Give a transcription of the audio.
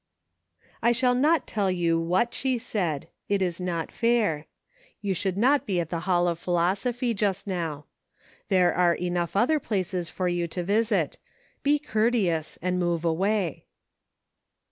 " I shall not tell you w/iai she said ; it is not fair. You should not be at the Hall of Philosophy just now. There are enough other places for you to visit ; be courteous, and move away.